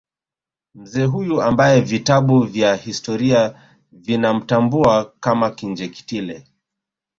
Mzee huyu ambaye vitabu vya historia vinamtambua kama Kinjekitile